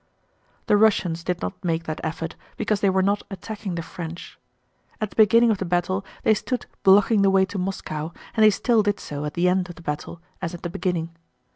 The Russians did not make that effort because they were not attacking the French. At the beginning of the battle they stood blocking the way to Moscow and they still did so at the end of the battle as at the beginning.